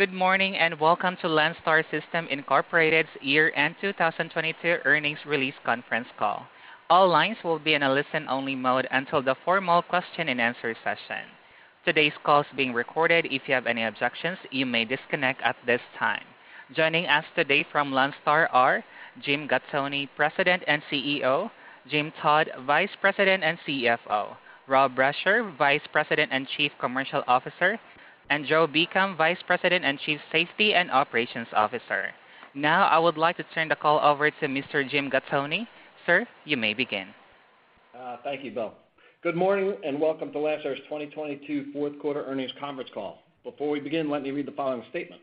Good morning, and welcome to Landstar System, Inc's year-end 2022 Earnings Release Conference Call. All lines will be in a listen-only mode until the formal question-and-answer session. Today's call is being recorded. If you have any objections, you may disconnect at this time. Joining us today from Landstar are Jim Gattoni, President and CEO, Jim Todd, Vice President and CFO, Rob Brasher, Vice President and Chief Commercial Officer, and Joe Beacom, Vice President and Chief Safety and Operations Officer. Now, I would like to turn the call over to Mr. Jim Gattoni. Sir, you may begin. Thank you, Bill. Good morning, and welcome to Landstar's 2022 Fourth Quarter Earnings Conference Call. Before we begin, let me read the following statement.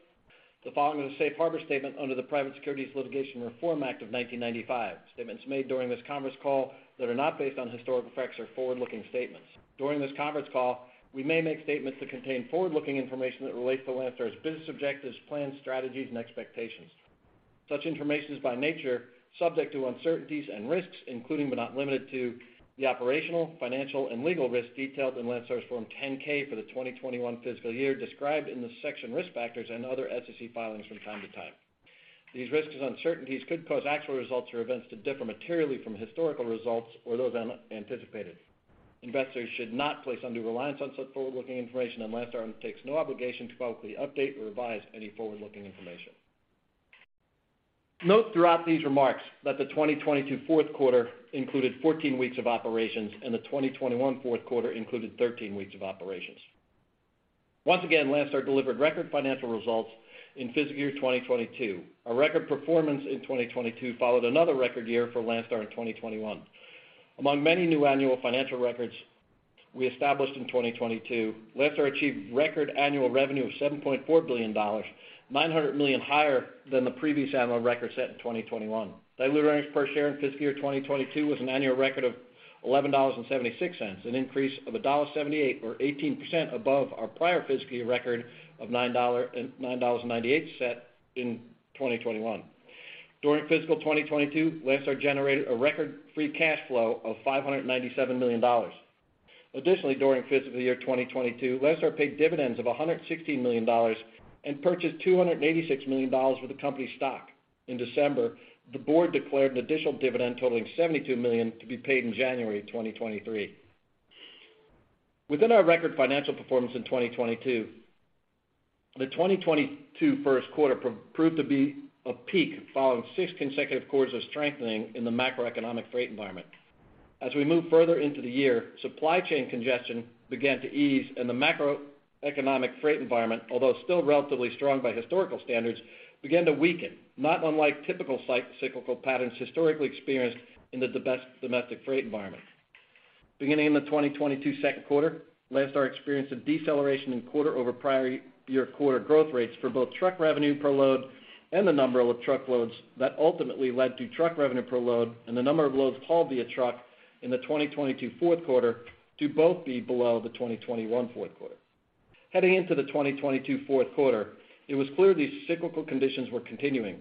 The following is a safe harbor statement under the Private Securities Litigation Reform Act of 1995. Statements made during this conference call that are not based on historical facts are forward-looking statements. During this conference call, we may make statements that contain forward-looking information that relates to Landstar's business objectives, plans, strategies, and expectations. Such information is, by nature, subject to uncertainties and risks, including but not limited to the operational, financial, and legal risks detailed in Landstar's Form 10-K for the 2021 fiscal year described in the section Risk Factors and other SEC filings from time to time. These risks and uncertainties could cause actual results or events to differ materially from historical results or those anticipated. Investors should not place undue reliance on such forward-looking information, and Landstar undertakes no obligation to publicly update or revise any forward-looking information. Note throughout these remarks that the 2022 fourth quarter included 14 weeks of operations, and the 2021 fourth quarter included 13 weeks of operations. Once again, Landstar delivered record financial results in fiscal year 2022. Our record performance in 2022 followed another record year for Landstar in 2021. Among many new annual financial records we established in 2022, Landstar achieved record annual revenue of $7.4 billion, $900 million higher than the previous annual record set in 2021. Diluted earnings per share in fiscal year 2022 was an annual record of $11.76, an increase of $1.78 or 18% above our prior fiscal year record of $9.98 set in 2021. During fiscal 2022, Landstar generated a record free cash flow of $597 million. Additionally, during fiscal year 2022, Landstar paid dividends of $116 million and purchased $286 million worth of company stock. In December, the board declared an additional dividend totaling $72 million to be paid in January of 2023. Within our record financial performance in 2022, the 2022 first quarter proved to be a peak following six consecutive quarters of strengthening in the macroeconomic freight environment. As we moved further into the year, supply chain congestion began to ease, and the macroeconomic freight environment, although still relatively strong by historical standards, began to weaken, not unlike typical cyclical patterns historically experienced in the domestic freight environment. Beginning in the 2022 second quarter, Landstar experienced a deceleration in quarter over prior year quarter growth rates for both truck revenue per load and the number of truck loads that ultimately led to truck revenue per load and the number of loads hauled via truck in the 2022 fourth quarter to both be below the 2021 fourth quarter. Heading into the 2022 fourth quarter, it was clear these cyclical conditions were continuing.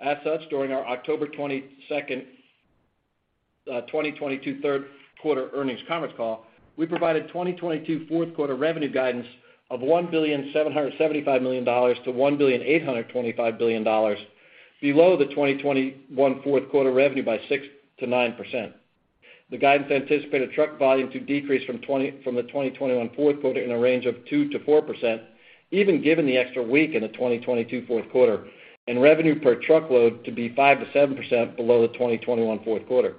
As such, during our October 22nd, 2022 Third Quarter Earnings Conference Call, we provided 2022 fourth quarter revenue guidance of $1.775 billion-$1.825 billion, below the 2021 fourth quarter revenue by 6%-9%. The guidance anticipated truck volume to decrease from the 2021 fourth quarter in a range of 2%-4%, even given the extra week in the 2022 fourth quarter, and revenue per truckload to be 5%-7% below the 2021 fourth quarter.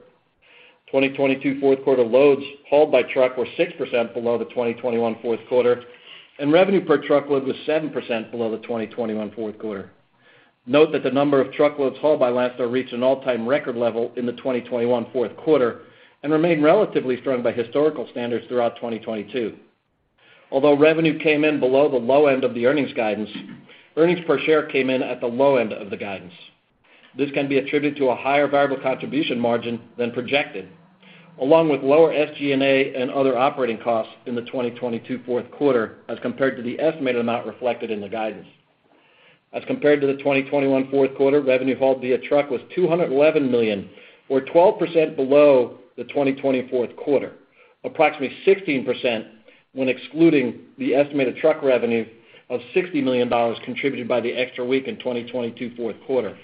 2022 fourth quarter loads hauled by truck were 6% below the 2021 fourth quarter, and revenue per truckload was 7% below the 2021 fourth quarter. Note that the number of truckloads hauled by Landstar reached an all-time record level in the 2021 fourth quarter and remained relatively strong by historical standards throughout 2022. Although revenue came in below the low end of the earnings guidance, earnings per share came in at the low end of the guidance. This can be attributed to a higher variable contribution margin than projected, along with lower SG&A and other operating costs in the 2022 fourth quarter as compared to the estimated amount reflected in the guidance. As compared to the 2021 fourth quarter, revenue hauled via truck was $211 million, or 12% below the 2020 fourth quarter, approximately 16% when excluding the estimated truck revenue of $60 million contributed by the extra week in the 2022 fourth quarter,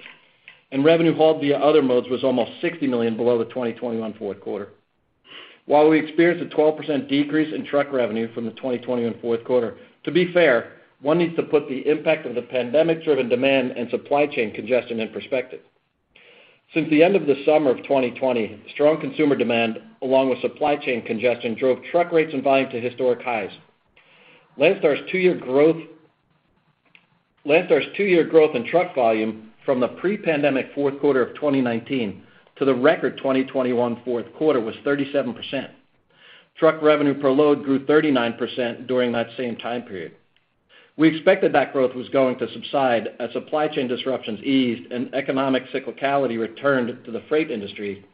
and revenue hauled via other modes was almost $60 million below the 2021 fourth quarter. While we experienced a 12% decrease in truck revenue from the 2021 fourth quarter, to be fair, one needs to put the impact of the pandemic-driven demand and supply chain congestion in perspective. Since the end of the summer of 2020, strong consumer demand, along with supply chain congestion, drove truck rates and volume to historic highs. Landstar's two-year growth. Landstar's two-year growth in truck volume from the pre-pandemic fourth quarter of 2019 to the record 2021 fourth quarter was 37%. Truck revenue per load grew 39% during that same time period. We expected that growth was going to subside as supply chain disruptions eased and economic cyclicality returned to the freight industry.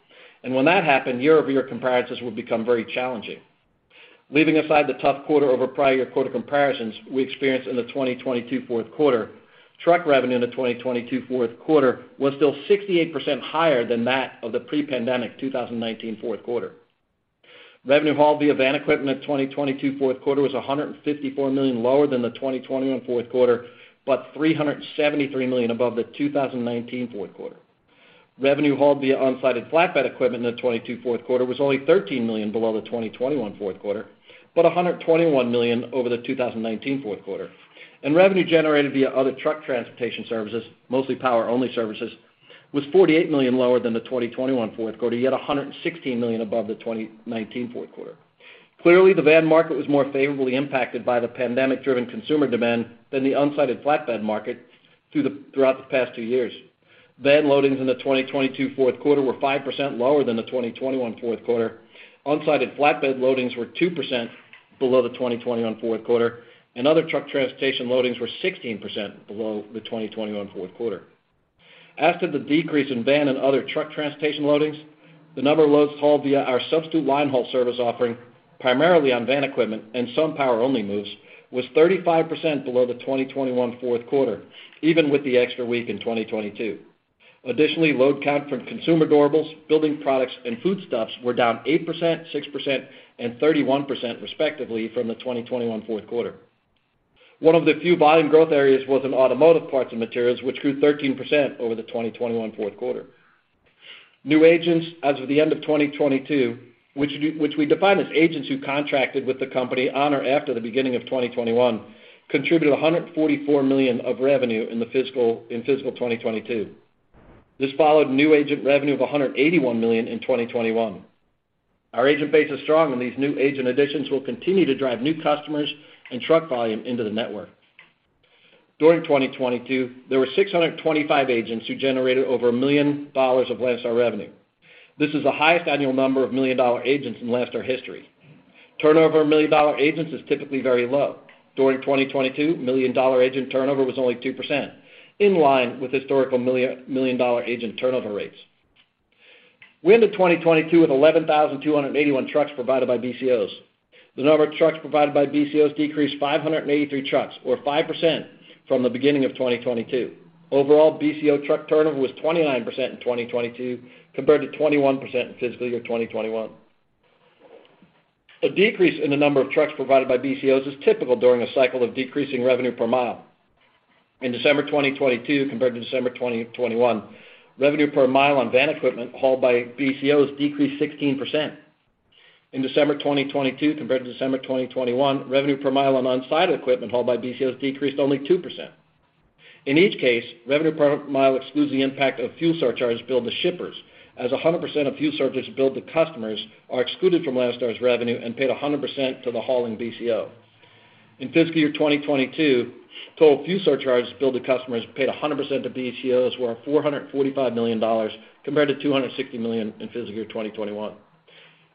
When that happened, year-over-year comparisons would become very challenging. Leaving aside the tough quarter-over-prior-year-quarter comparisons we experienced in the 2022 fourth quarter, truck revenue in the 2022 fourth quarter was still 68% higher than that of the pre-pandemic 2019 fourth quarter. Revenue hauled via van equipment in 2022 fourth quarter was $154 million lower than the 2021 fourth quarter, but $373 million above the 2019 fourth quarter. Revenue hauled via unsided flatbed equipment in the 2022 fourth quarter was only $13 million below the 2021 fourth quarter, but $121 million over the 2019 fourth quarter. Revenue generated via other truck transportation services, mostly power-only services, was $48 million lower than the 2021 fourth quarter, yet $116 million above the 2019 fourth quarter. Clearly, the van market was more favorably impacted by the pandemic-driven consumer demand than the unsided flatbed market throughout the past two years. Van loadings in the 2022 fourth quarter were 5% lower than the 2021 fourth quarter. Unsided flatbed loadings were 2% below the 2021 fourth quarter, and other truck transportation loadings were 16% below the 2021 fourth quarter. As to the decrease in van and other truck transportation loadings, the number of loads hauled via our substitute linehaul service offering, primarily on van equipment and some power-only moves, was 35% below the 2021 fourth quarter, even with the extra week in 2022. Load count from consumer durables, building products, and foodstuffs were down 8%, 6%, and 31% respectively from the 2021 fourth quarter. One of the few volume growth areas was in automotive parts and materials, which grew 13% over the 2021 fourth quarter. New agents as of the end of 2022, which we define as agents who contracted with the company on or after the beginning of 2021, contributed $144 million of revenue in fiscal 2022. This followed new agent revenue of $181 million in 2021. Our agent base is strong. These new agent additions will continue to drive new customers and truck volume into the network. During 2022, there were 625 agents who generated over $1 million of Landstar revenue. This is the highest annual number of million-dollar agents in Landstar history. Turnover of million-dollar agents is typically very low. During 2022, million-dollar agent turnover was only 2%, in line with historical million-dollar agent turnover rates. We ended 2022 with 11,281 trucks provided by BCOs. The number of trucks provided by BCOs decreased 583 trucks, or 5% from the beginning of 2022. Overall, BCO truck turnover was 29% in 2022 compared to 21% in fiscal year 2021. A decrease in the number of trucks provided by BCOs is typical during a cycle of decreasing revenue per mile. In December 2022 compared to December 2021, revenue per mile on van equipment hauled by BCOs decreased 16%. In December 2022 compared to December 2021, revenue per mile on unsided equipment hauled by BCOs decreased only 2%. In each case, revenue per mile excludes the impact of fuel surcharges billed to shippers, as 100% of fuel surcharges billed to customers are excluded from Landstar's revenue and paid 100% to the hauling BCO. In fiscal year 2022, total fuel surcharges billed to customers paid 100% to BCOs were $445 million compared to $260 million in fiscal year 2021.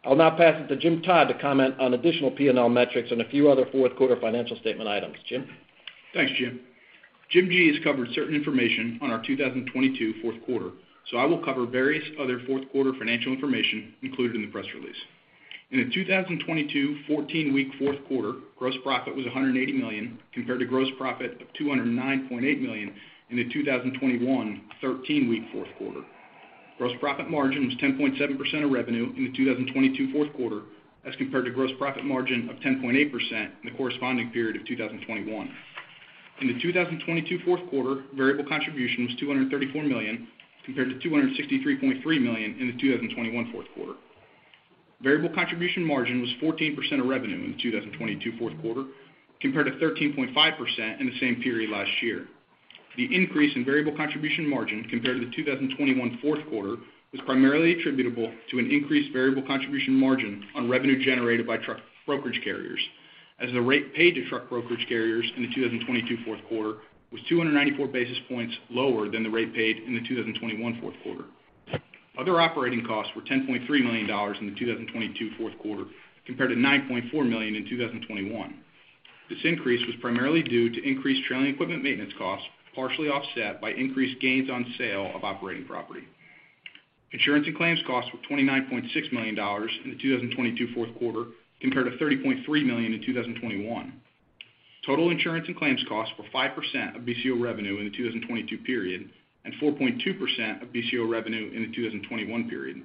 I'll now pass it to Jim Todd to comment on additional P&L metrics and a few other fourth quarter financial statement items. Jim? Thanks, Jim. Jim G. has covered certain information on our 2022 fourth quarter. I will cover various other fourth quarter financial information included in the press release. In the 2022 14-week fourth quarter, gross profit was $180 million compared to gross profit of $209.8 million in the 2021 13-week fourth quarter. Gross profit margin was 10.7% of revenue in the 2022 fourth quarter as compared to gross profit margin of 10.8% in the corresponding period of 2021. In the 2022 fourth quarter, variable contribution was $234 million, compared to $263.3 million in the 2021 fourth quarter. Variable contribution margin was 14% of revenue in the 2022 fourth quarter, compared to 13.5% in the same period last year. The increase in variable contribution margin compared to the 2021 fourth quarter was primarily attributable to an increased variable contribution margin on revenue generated by truck brokerage carriers, as the rate paid to truck brokerage carriers in the 2022 fourth quarter was 294 basis points lower than the rate paid in the 2021 fourth quarter. Other operating costs were $10.3 million in the 2022 fourth quarter, compared to $9.4 million in 2021. This increase was primarily due to increased trailing equipment maintenance costs, partially offset by increased gains on sale of operating property. Insurance and claims costs were $29.6 million in the 2022 fourth quarter compared to $30.3 million in 2021. Total insurance and claims costs were 5% of BCO revenue in the 2022 period and 4.2% of BCO revenue in the 2021 period.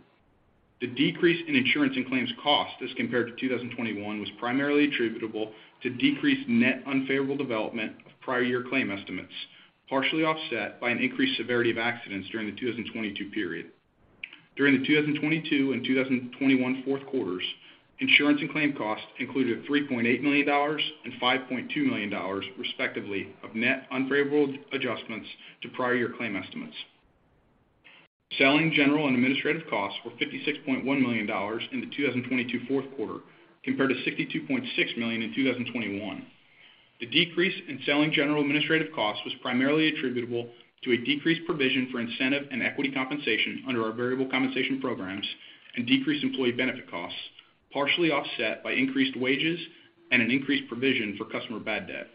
The decrease in insurance and claims costs as compared to 2021 was primarily attributable to decreased net unfavorable development of prior year claim estimates, partially offset by an increased severity of accidents during the 2022 period. During the 2022 and 2021 fourth quarters, insurance and claim costs included $3.8 million and $5.2 million respectively of net unfavorable adjustments to prior year claim estimates. Selling, general and administrative costs were $56.1 million in the 2022 fourth quarter compared to $62.6 million in 2021. The decrease in selling, general and administrative costs was primarily attributable to a decreased provision for incentive and equity compensation under our variable compensation programs and decreased employee benefit costs, partially offset by increased wages and an increased provision for customer bad debt.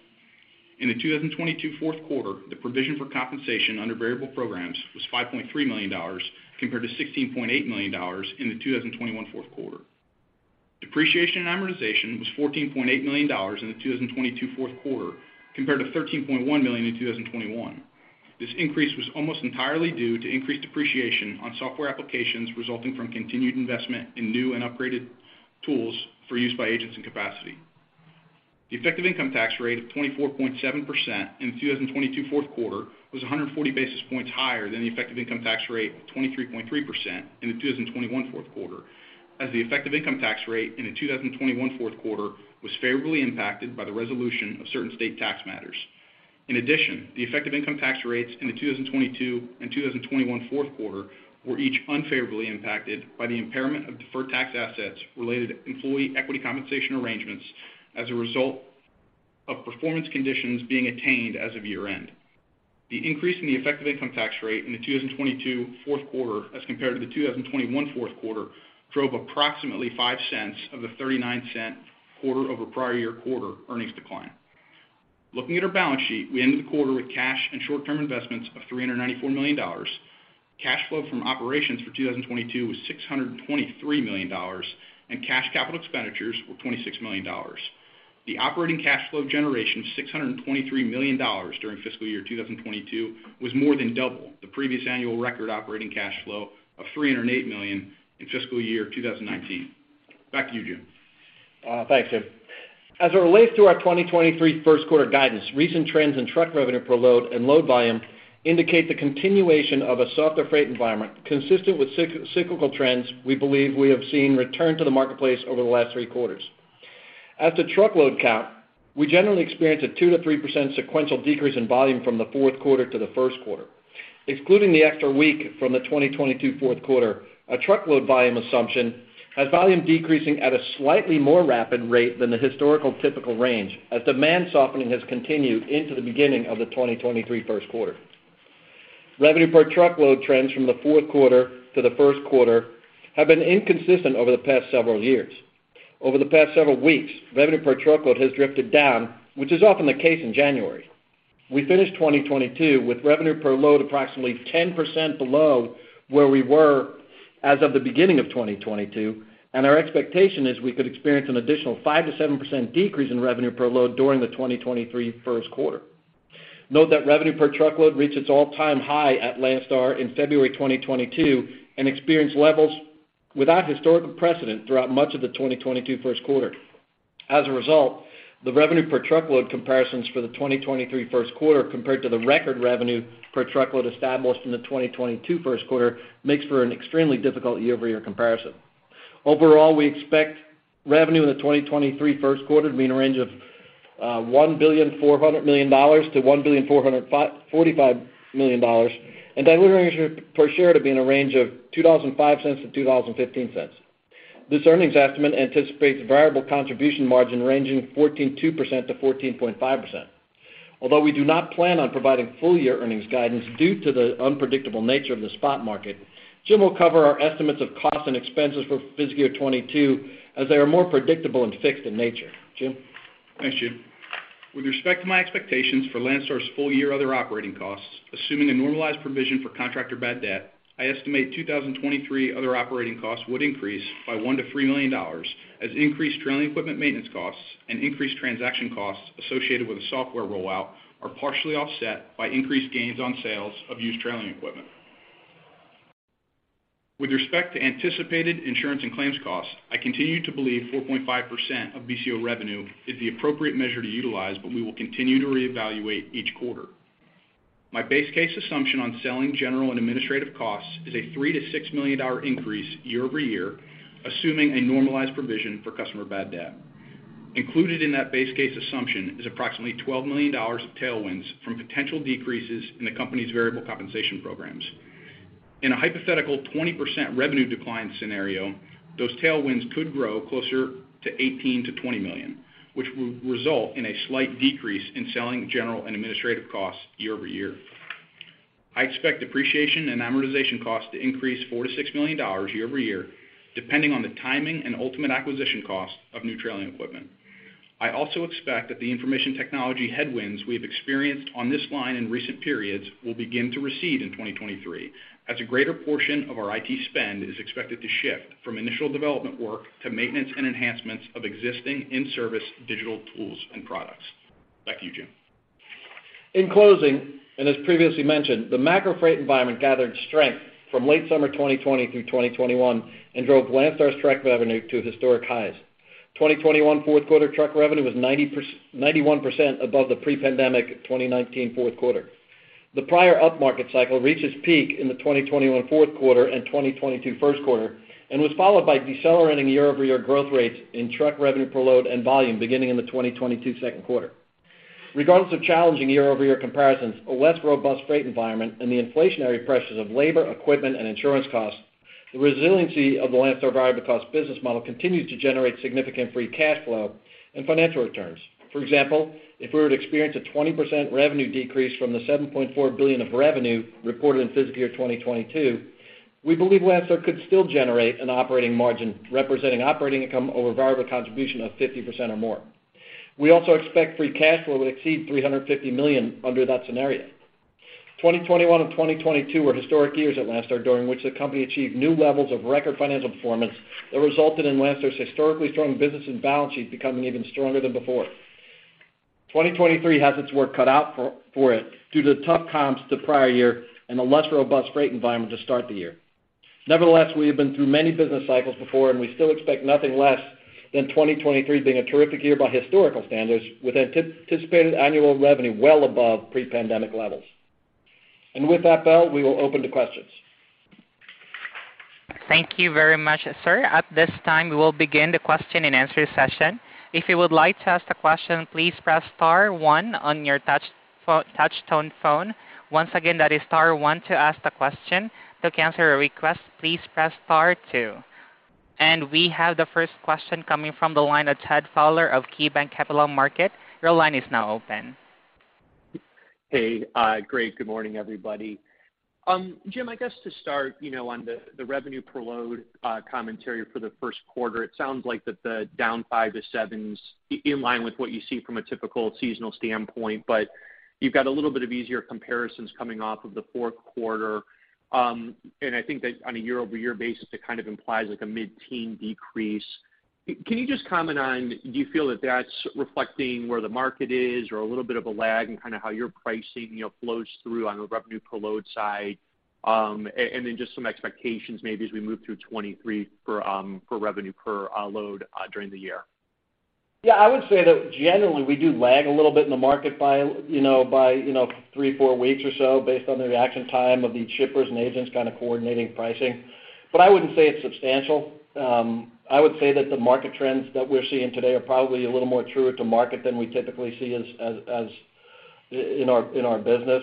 In the 2022 fourth quarter, the provision for compensation under variable programs was $5.3 million compared to $16.8 million in the 2021 fourth quarter. Depreciation and amortization was $14.8 million in the 2022 fourth quarter compared to $13.1 million in 2021. This increase was almost entirely due to increased depreciation on software applications resulting from continued investment in new and upgraded tools for use by agents and capacity. The effective income tax rate of 24.7% in the 2022 fourth quarter was 140 basis points higher than the effective income tax rate of 23.3% in the 2021 fourth quarter, as the effective income tax rate in the 2021 fourth quarter was favorably impacted by the resolution of certain state tax matters. In addition, the effective income tax rates in the 2022 and 2021 fourth quarter were each unfavorably impacted by the impairment of deferred tax assets related to employee equity compensation arrangements as a result of performance conditions being attained as of year-end. The increase in the effective income tax rate in the 2022 fourth quarter as compared to the 2021 fourth quarter drove approximately $0.05 of the $0.39 quarter over prior year quarter earnings decline. Looking at our balance sheet, we ended the quarter with cash and short-term investments of $394 million. Cash flow from operations for 2022 was $623 million, and cash capital expenditures were $26 million. The operating cash flow generation of $623 million during fiscal year 2022 was more than double the previous annual record operating cash flow of $308 million in fiscal year 2019. Back to you, Jim. Thanks, Jim. As it relates to our 2023 first quarter guidance, recent trends in truck revenue per load and load volume indicate the continuation of a softer freight environment consistent with cyclical trends we believe we have seen return to the marketplace over the last 3 quarters. As to truckload count, we generally experience a 2%-3% sequential decrease in volume from the fourth quarter to the first quarter. Excluding the extra week from the 2022 fourth quarter, a truckload volume assumption has volume decreasing at a slightly more rapid rate than the historical typical range as demand softening has continued into the beginning of the 2023 first quarter. Revenue per truckload trends from the fourth quarter to the first quarter have been inconsistent over the past several years. Over the past several weeks, revenue per truckload has drifted down, which is often the case in January. We finished 2022 with revenue per load approximately 10% below where we were as of the beginning of 2022, and our expectation is we could experience an additional 5%-7% decrease in revenue per load during the 2023 first quarter. Note that revenue per truckload reached its all-time high at Landstar in February 2022 and experienced levels without historical precedent throughout much of the 2022 first quarter. As a result, the revenue per truckload comparisons for the 2023 first quarter compared to the record revenue per truckload established in the 2022 first quarter makes for an extremely difficult year-over-year comparison. Overall, we expect revenue in the 2023 first quarter to be in a range of $1.4 billion-$1.445 billion and dilutive earnings per share to be in a range of $2.05-$2.15. This earnings estimate anticipates variable contribution margin ranging 14.2%-14.5%. Although we do not plan on providing full year earnings guidance due to the unpredictable nature of the spot market, Jim will cover our estimates of costs and expenses for fiscal year 2022, as they are more predictable and fixed in nature. Jim? Thanks, Jim. With respect to my expectations for Landstar's full year other operating costs, assuming a normalized provision for contractor bad debt, I estimate 2023 other operating costs would increase by $1 million-$3 million as increased trailing equipment maintenance costs and increased transaction costs associated with the software rollout are partially offset by increased gains on sales of used trailing equipment. With respect to anticipated insurance and claims costs, I continue to believe 4.5% of BCO revenue is the appropriate measure to utilize, but we will continue to reevaluate each quarter. My base case assumption on selling general and administrative costs is a $3 million-$6 million increase year-over-year, assuming a normalized provision for customer bad debt. Included in that base case assumption is approximately $12 million of tailwinds from potential decreases in the company's variable compensation programs. In a hypothetical 20% revenue decline scenario, those tailwinds could grow closer to $18 million-$20 million, which would result in a slight decrease in Selling, General and Administrative Expenses costs year-over-year. I expect depreciation and amortization costs to increase $4 million-$6 million year-over-year, depending on the timing and ultimate acquisition costs of new trailing equipment. I also expect that the information technology headwinds we have experienced on this line in recent periods will begin to recede in 2023, as a greater portion of our IT spend is expected to shift from initial development work to maintenance and enhancements of existing in-service digital tools and products. Back to you, Jim. In closing, and as previously mentioned, the macro freight environment gathered strength from late summer 2020 through 2021 and drove Landstar's truck revenue to historic highs. 2021 fourth quarter truck revenue was 91% above the pre-pandemic 2019 fourth quarter. The prior upmarket cycle reached its peak in the 2021 fourth quarter and 2022 first quarter and was followed by decelerating year-over-year growth rates in truck revenue per load and volume beginning in the 2022 second quarter. Regardless of challenging year-over-year comparisons, a less robust freight environment and the inflationary pressures of labor, equipment, and insurance costs, the resiliency of the Landstar variable cost business model continues to generate significant free cash flow and financial returns. For example, if we were to experience a 20% revenue decrease from the $7.4 billion of revenue reported in fiscal year 2022, we believe Landstar could still generate an operating margin representing operating income over variable contribution of 50% or more. We also expect free cash flow would exceed $350 million under that scenario. 2021 and 2022 were historic years at Landstar, during which the company achieved new levels of record financial performance that resulted in Landstar's historically strong business and balance sheet becoming even stronger than before. 2023 has its work cut out for it due to tough comps the prior year and a less robust freight environment to start the year. Nevertheless, we have been through many business cycles before, and we still expect nothing less than 2023 being a terrific year by historical standards, with anticipated annual revenue well above pre-pandemic levels. With that, Bill, we will open to questions. Thank you very much, sir. At this time, we will begin the question and answer session. If you would like to ask a question, please press star one on your touch tone phone. Once again, that is star one to ask the question. To cancel your request, please press star two. We have the first question coming from the line of Todd Fowler of KeyBanc Capital Markets. Your line is now open. Hey, great. Good morning, everybody. Jim, I guess to start, you know, on the revenue per load commentary for the first quarter, it sounds like that the down 5%-7% is in line with what you see from a typical seasonal standpoint, but you've got a little bit of easier comparisons coming off of the fourth quarter. And I think that on a year-over-year basis, it kind of implies like a mid-teen decrease. Can you just comment on, do you feel that that's reflecting where the market is or a little bit of a lag in kind of how your pricing, you know, flows through on the revenue per load side? And then just some expectations maybe as we move through 2023 for revenue per load during the year. Yeah, I would say that generally, we do lag a little bit in the market by, you know, three, four weeks or so based on the reaction time of the shippers and agents kind of coordinating pricing. I wouldn't say it's substantial. I would say that the market trends that we're seeing today are probably a little more truer to market than we typically see in our business.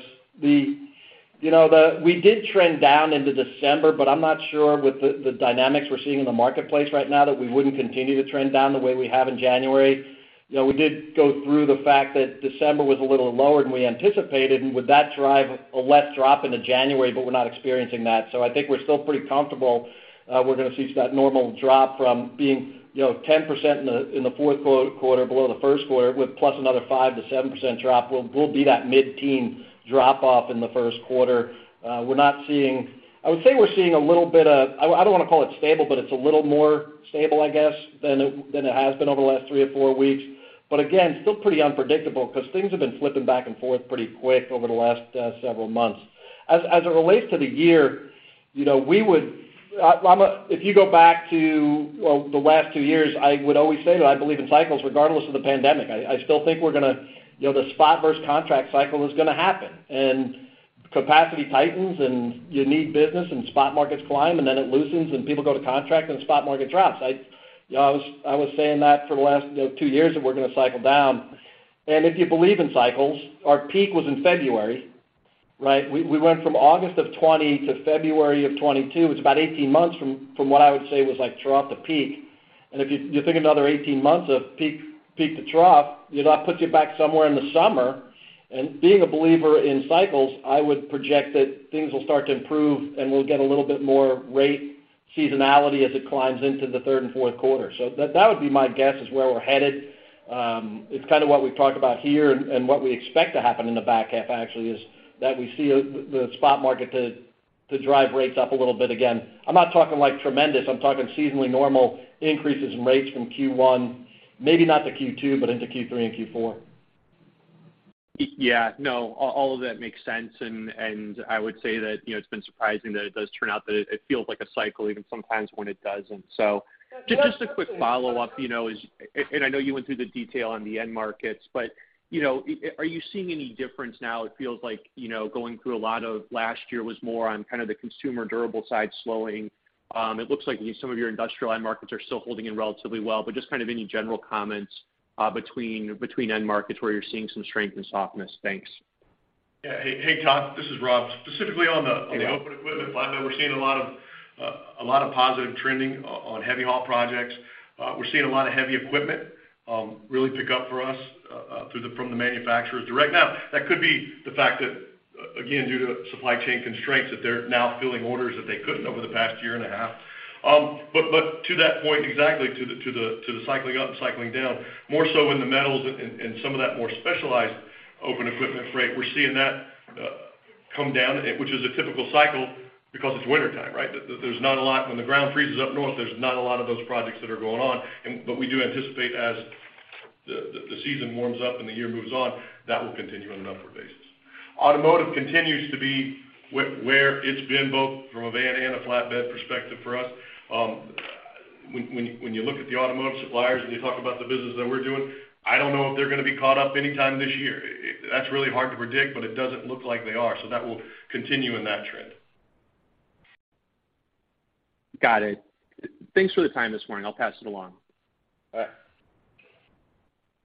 You know, we did trend down into December, I'm not sure with the dynamics we're seeing in the marketplace right now that we wouldn't continue to trend down the way we have in January. You know, we did go through the fact that December was a little lower than we anticipated, would that drive a less drop into January, we're not experiencing that. I think we're still pretty comfortable, we're gonna see that normal drop from being, you know, 10% in the fourth quarter below the first quarter with plus another 5%-7% drop will be that mid-teen dropoff in the first quarter. We're not seeing. I don't want to call it stable, but it's a little more stable, I guess, than it has been over the last three or four weeks. Again, still pretty unpredictable because things have been flipping back and forth pretty quick over the last several months. As it relates to the year, you know, we would. If you go back to, well, the last two years, I would always say that I believe in cycles regardless of the pandemic. I still think we're gonna, you know, the spot versus contract cycle is gonna happen, and capacity tightens, and you need business, and spot markets climb, and then it loosens, and people go to contract, and spot market drops. I, you know, I was saying that for the last, you know, two years that we're gonna cycle down. If you believe in cycles, our peak was in February, right? We went from August of 2020 to February of 2022. It's about 18 months from what I would say was like throughout the peak. If you think another 18 months of peak to trough, you know, that puts you back somewhere in the summer. Being a believer in cycles, I would project that things will start to improve, and we'll get a little bit more rate seasonality as it climbs into the third and fourth quarter. That would be my guess is where we're headed. It's kind of what we've talked about here and what we expect to happen in the back half actually is that we see the spot market to drive rates up a little bit again. I'm not talking like tremendous. I'm talking seasonally normal increases in rates from Q1, maybe not to Q2, but into Q3 and Q4. Yeah, no, all of that makes sense. I would say that, you know, it's been surprising that it does turn out that it feels like a cycle even sometimes when it doesn't. Just a quick follow-up, you know, is. I know you went through the detail on the end markets, but, you know, are you seeing any difference now? It feels like, you know, going through a lot of last year was more on kind of the consumer durable side slowing. It looks like some of your industrial end markets are still holding in relatively well. Just kind of any general comments, between end markets where you're seeing some strength and softness. Thanks. Yeah. Hey, Todd, this is Rob. Specifically on. Hey, Rob on the open equipment front, though, we're seeing a lot of positive trending on heavy haul projects. We're seeing a lot of heavy equipment really pick up for us from the manufacturers direct. That could be the fact that again, due to supply chain constraints, that they're now filling orders that they couldn't over the past year and a half. To that point, exactly, to the cycling up and cycling down, more so in the metals and some of that more specialized open equipment freight, we're seeing that come down, which is a typical cycle because it's wintertime, right? There's not a lot. When the ground freezes up north, there's not a lot of those projects that are going on. We do anticipate as the season warms up and the year moves on, that will continue on an upward basis. Automotive continues to be where it's been both from a van and a flatbed perspective for us. When you look at the automotive suppliers and you talk about the business that we're doing, I don't know if they're gonna be caught up anytime this year. That's really hard to predict, it doesn't look like they are, that will continue in that trend. Got it. Thanks for the time this morning. I'll pass it along. All right.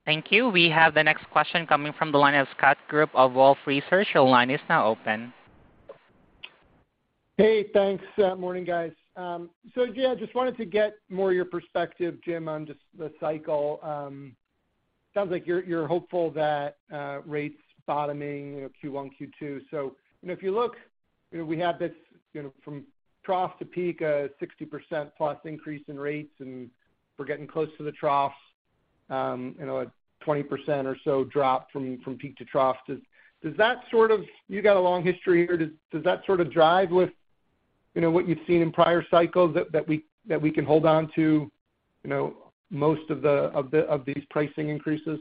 Thank you. We have the next question coming from the line of Scott Group of Wolfe Research. Your line is now open. Hey, thanks. Morning, guys. Yeah, just wanted to get more of your perspective, Jim, on just the cycle. Sounds like you're hopeful that rates bottoming, you know, Q1, Q2. If you look, you know, we have this, you know, from trough to peak, a 60% plus increase in rates, and we're getting close to the trough, you know, a 20% or so drop from peak to trough. You got a long history here. Does that sort of jive with you know what you've seen in prior cycles that we can hold on to, you know, most of these pricing increases?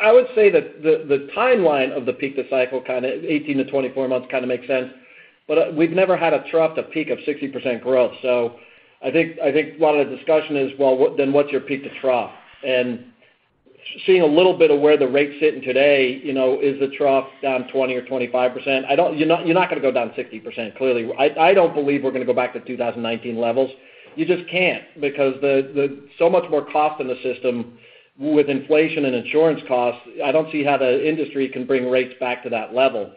I would say that the timeline of the peak to cycle, kind of 18-24 months, kind of makes sense. We've never had a trough to peak of 60% growth. I think a lot of the discussion is, what's your peak to trough? Seeing a little bit of where the rate's sitting today, you know, is the trough down 20% or 25%? I don't. You're not gonna go down 60%, clearly. I don't believe we're gonna go back to 2019 levels. You just can't because the so much more cost in the system with inflation and insurance costs, I don't see how the industry can bring rates back to that level.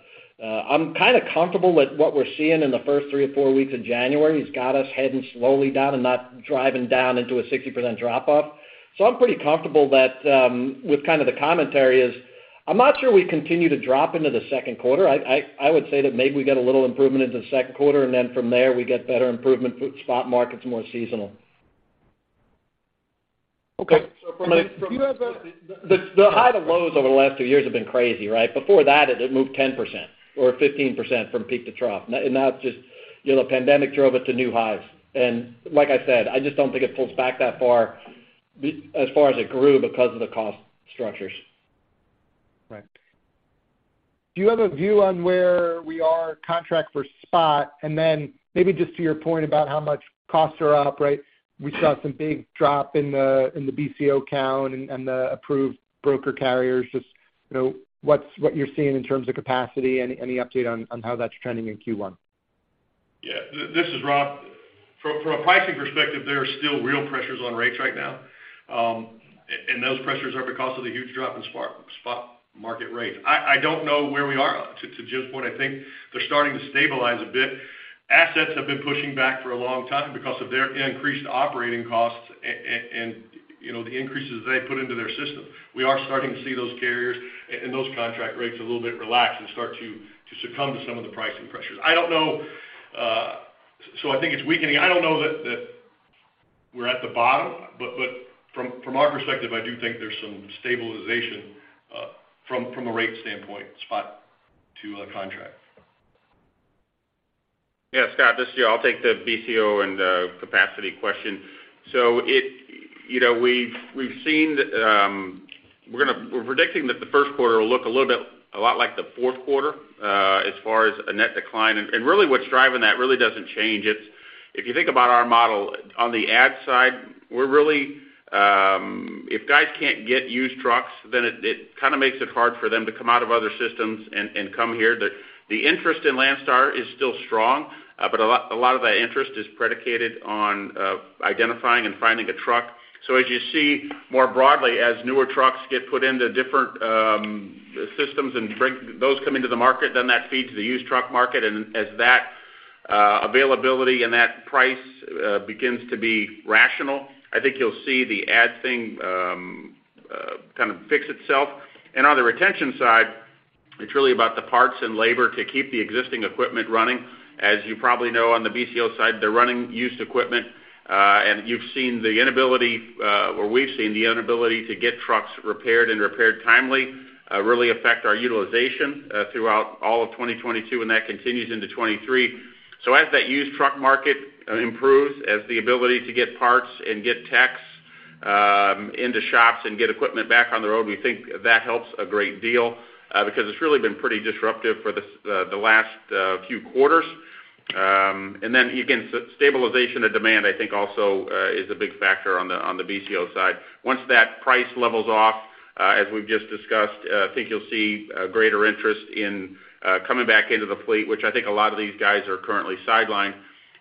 I'm kind of comfortable with what we're seeing in the first three or four weeks of January. It's got us heading slowly down and not driving down into a 60% drop off. I'm pretty comfortable that, with kind of the commentary is, I'm not sure we continue to drop into the second quarter. I would say that maybe we get a little improvement into the second quarter, and then from there we get better improvement with spot markets more seasonal. Okay. Do you have? The high to lows over the last two years have been crazy, right? Before that, it had moved 10% or 15% from peak to trough. Now it's just, you know, pandemic drove it to new highs. Like I said, I just don't think it pulls back that far, as far as it grew because of the cost structures. Right. Do you have a view on where we are contract for spot? Maybe just to your point about how much costs are up, right? We saw some big drop in the BCO count and the approved broker carriers. Just, you know, what you're seeing in terms of capacity. Any update on how that's trending in Q1? Yeah. This is Rob. From a pricing perspective, there are still real pressures on rates right now. Those pressures are because of the huge drop in spot market rates. I don't know where we are. To Jim's point, I think they're starting to stabilize a bit. Assets have been pushing back for a long time because of their increased operating costs and, you know, the increases they put into their system. We are starting to see those carriers and those contract rates a little bit relaxed and start to succumb to some of the pricing pressures. I don't know. I think it's weakening. I don't know that we're at the bottom, but from our perspective, I do think there's some stabilization from a rate standpoint, spot to contract. Yeah. Scott, this is Joe. I'll take the BCO and the capacity question. You know, we've seen we're predicting that the first quarter will look a little bit, a lot like the fourth quarter as far as a net decline. Really what's driving that really doesn't change. If you think about our model on the add side, we're really, if guys can't get used trucks, then it kind of makes it hard for them to come out of other systems and come here. The interest in Landstar is still strong, a lot of that interest is predicated on identifying and finding a truck. As you see more broadly, as newer trucks get put into different systems and bring those come into the market, then that feeds the used truck market. As that availability and that price begins to be rational, I think you'll see the ad thing kind of fix itself. On the retention side, it's really about the parts and labor to keep the existing equipment running. As you probably know, on the BCO side, they're running used equipment, and you've seen the inability, or we've seen the inability to get trucks repaired and repaired timely, really affect our utilization throughout all of 2022, and that continues into 2023. As that used truck market improves, as the ability to get parts and get techs into shops and get equipment back on the road, we think that helps a great deal, because it's really been pretty disruptive for the last few quarters. Again, stabilization of demand, I think also, is a big factor on the, on the BCO side. Once that price levels off, as we've just discussed, I think you'll see a greater interest in coming back into the fleet, which I think a lot of these guys are currently sidelined.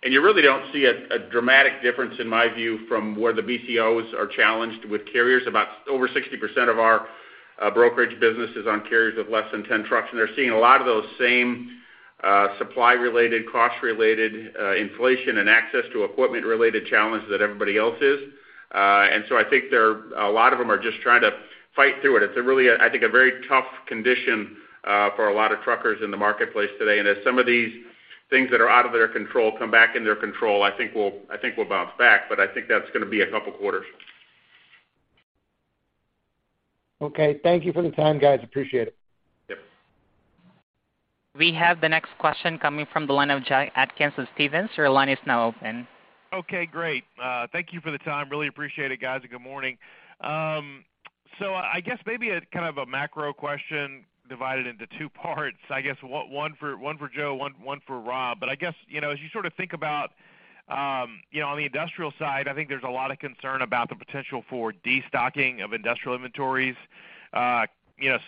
You really don't see a dramatic difference, in my view, from where the BCOs are challenged with carriers. About over 60% of our brokerage business is on carriers with less than 10 trucks. They're seeing a lot of those same supply-related, cost-related, inflation and access to equipment-related challenges that everybody else is. A lot of them are just trying to fight through it. It's a really, I think, a very tough condition for a lot of truckers in the marketplace today. As some of these things that are out of their control come back in their control, I think we'll, I think we'll bounce back, but I think that's gonna be a couple quarters. Okay. Thank you for the time, guys. Appreciate it. Yep. We have the next question coming from the line of Jack Atkins of Stephens. Your line is now open. Okay, great. Thank you for the time. Really appreciate it, guys, and good morning. I guess maybe a kind of a macro question divided into two parts. I guess one for Joe, one for Rob. I guess, you know, as you sort of think about, you know, on the industrial side, I think there's a lot of concern about the potential for destocking of industrial inventories, you know,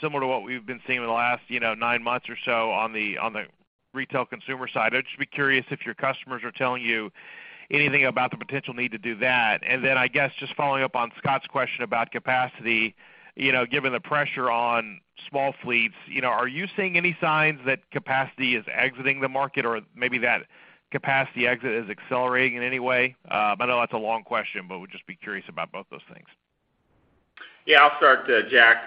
similar to what we've been seeing in the last, you know, nine months or so on the, on the retail consumer side. I'd just be curious if your customers are telling you anything about the potential need to do that. I guess just following up on Scott's question about capacity, you know, given the pressure on small fleets, you know, are you seeing any signs that capacity is exiting the market or maybe that capacity exit is accelerating in any way? I know that's a long question, but would just be curious about both those things. Yeah. I'll start, Jack.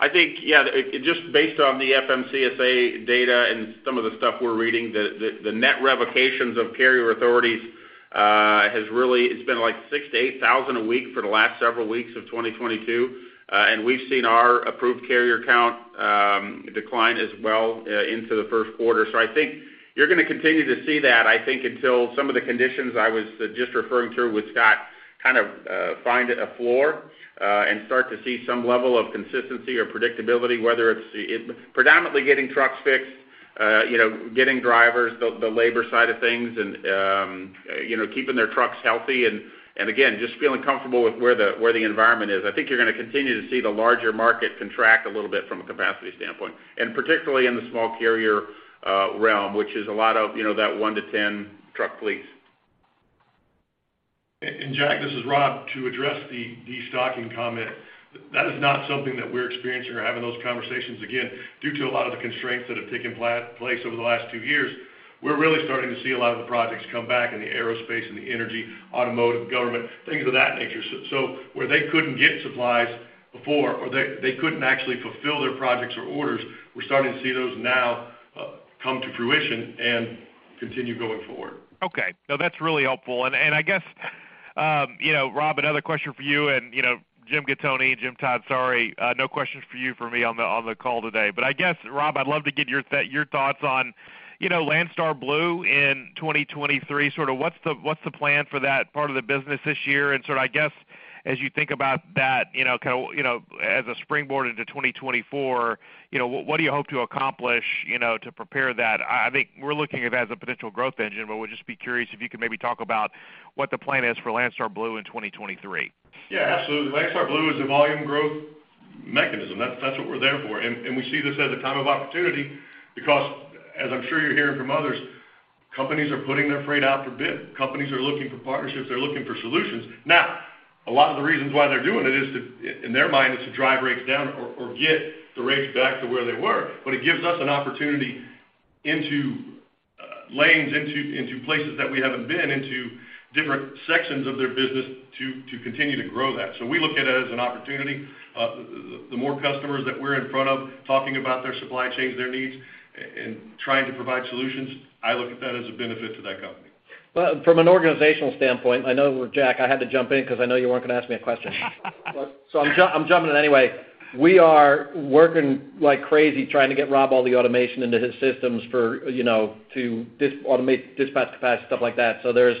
I think, yeah, just based on the FMCSA data and some of the stuff we're reading, the net revocations of carrier authorities has really been like 6,000-8,000 a week for the last several weeks of 2022. And we've seen our approved carrier count decline as well, into the first quarter. I think you're gonna continue to see that, I think, until some of the conditions I was just referring to with Scott kind of, find a floor, and start to see some level of consistency or predictability, whether it's predominantly getting trucks fixed, you know, getting drivers, the labor side of things and, you know, keeping their trucks healthy and again, just feeling comfortable with where the environment is. I think you're gonna continue to see the larger market contract a little bit from a capacity standpoint, and particularly in the small carrier realm, which is a lot of, you know, that one-10 truck fleets. Jack, this is Rob. To address the destocking comment, that is not something that we're experiencing or having those conversations. Again, due to a lot of the constraints that have taken place over the last two years, we're really starting to see a lot of the projects come back in the aerospace and the energy, automotive, government, things of that nature. Where they couldn't get supplies before or they couldn't actually fulfill their projects or orders, we're starting to see those now come to fruition and continue going forward. Okay. No, that's really helpful. I guess, you know, Rob, another question for you, and, you know, Jim Gattoni, Jim Todd, sorry, no questions for you from me on the call today. I guess, Rob, I'd love to get your thoughts on, you know, Landstar Blue in 2023, sort of what's the plan for that part of the business this year? Sort of, I guess, as you think about that, you know, kind of, you know, as a springboard into 2024, you know, what do you hope to accomplish, you know, to prepare that? I think we're looking at it as a potential growth engine, but would just be curious if you could maybe talk about what the plan is for Landstar Blue in 2023. Yeah, absolutely. Landstar Blue is a volume growth mechanism. That's what we're there for. We see this as a time of opportunity because, as I'm sure you're hearing from others, companies are putting their freight out for bid. Companies are looking for partnerships. They're looking for solutions. Now, a lot of the reasons why they're doing it is to, in their mind, is to drive rates down or get the rates back to where they were. It gives us an opportunity into lanes, into places that we haven't been, into different sections of their business to continue to grow that. We look at it as an opportunity. The more customers that we're in front of talking about their supply chains, their needs, and trying to provide solutions, I look at that as a benefit to that company. From an organizational standpoint, I know, Jack, I had to jump in cause I know you weren't gonna ask me a question. I'm jumping in anyway. We are working like crazy trying to get Rob all the automation into his systems for, you know, to dis-automate, dispatch capacity, stuff like that. There's